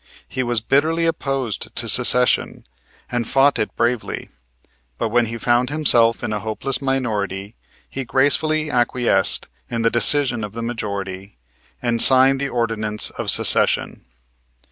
He was bitterly opposed to Secession and fought it bravely; but when he found himself in a hopeless minority he gracefully acquiesced in the decision of the majority and signed the ordinance of Secession.